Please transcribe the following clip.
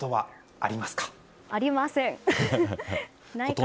ありません。